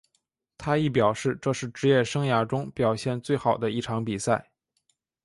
他亦表示这是职业生涯中表现最好的一场比赛。